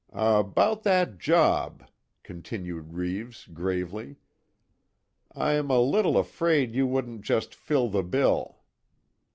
"About that job," continued Reeves, gravely, "I'm a little afraid you wouldn't just fill the bill."